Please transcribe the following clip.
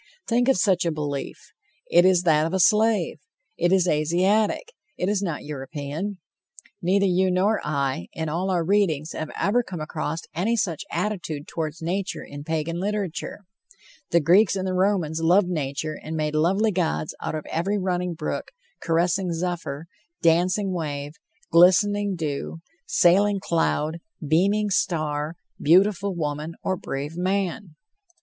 Think of such a belief! It is that of a slave. It is Asiatic; it is not European. Neither you nor I, in all our readings, have ever come across any such attitude toward nature in Pagan literature. The Greeks and the Romans loved nature and made lovely gods out of. every running brook, caressing zephyr, dancing wave, glistening dew, sailing cloud, beaming star, beautiful woman, or brave man.